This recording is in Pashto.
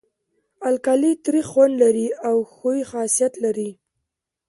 القلي تریخ خوند لري او ښوی خاصیت لري.